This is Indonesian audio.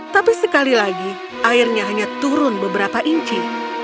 tapi sekali lagi airnya hanya turun beberapa inci